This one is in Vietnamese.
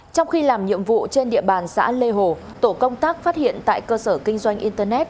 trong khi làm nhiệm vụ trên địa bàn xã lê hồ tổ công tác phát hiện tại cơ sở kinh doanh internet